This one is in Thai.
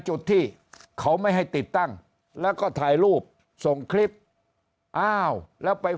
จุดที่เขาไม่ให้ติดตั้งแล้วก็ถ่ายรูปส่งคลิปอ้าวแล้วไป